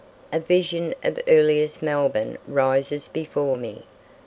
A vision of earliest Melbourne rises before me.